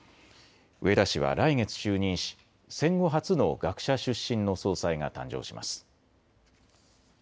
植田氏は来月就任し、戦後初の学者出身の総裁が誕生します。